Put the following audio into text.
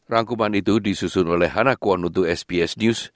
rangkuman itu disusun oleh hana kwon untuk sps news